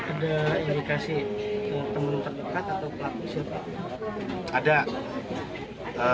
ada indikasi teman terdekat atau pelaku siapa